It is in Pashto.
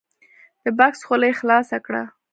د بکس خوله یې خلاصه کړه !